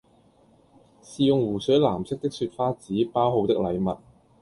是用湖水藍色的雪花紙包好的禮物，